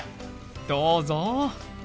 どうぞ。